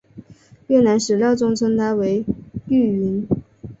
越南史料中称她为玉云。